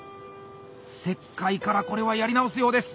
切開からこれはやり直すようです。